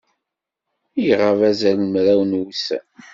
Iɣab azal n mraw n wussan.